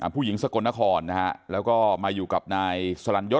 ผู้หญิงสกลนครนะฮะแล้วก็มาอยู่กับนายสรรยศ